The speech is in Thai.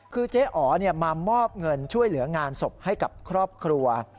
คือเจ๊อ๋อมามอบเงินช่วยเหลืองานศพให้กับครอบครัว